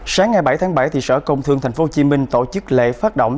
sáng ngày bảy tháng bảy sở công thương tp hcm tổ chức lễ phát động